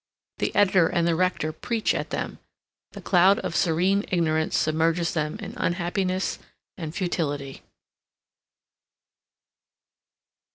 The editor and the rector preach at them. The cloud of serene ignorance submerges them in unhappiness and futility.